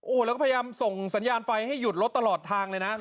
โอ้โหแล้วก็พยายามส่งสัญญาณไฟให้หยุดรถตลอดทางเลยนะ